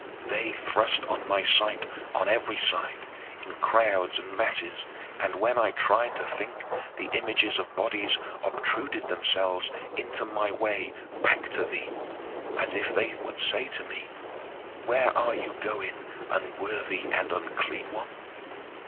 They thrust on my sight on every side, in crowds and masses, and when I tried to think, the images of bodies obtruded themselves into my way back to thee, as if they would say to me, "Where are you going, unworthy and unclean one?"